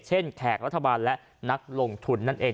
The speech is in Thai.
แขกรัฐบาลและนักลงทุนนั่นเอง